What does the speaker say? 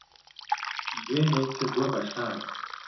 دوێنێی کردوە بە شانە